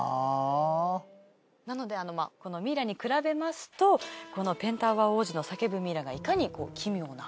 なのでこのミイラに比べますとこのペンタウアー王子の叫ぶミイラがいかに奇妙な。